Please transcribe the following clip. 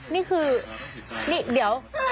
นี่คือนี่เดี๋ยว